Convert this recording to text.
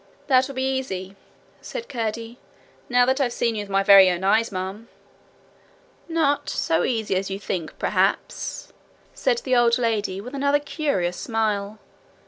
'That will be easy,'said Curdie,'now that I've seen you with my very own eyes, ma'am.' 'Not so easy as you think, perhaps,' said the old lady, with another curious smile.